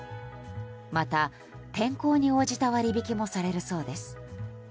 また、天候に応じた割引もされるそうです。